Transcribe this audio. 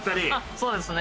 そうですね。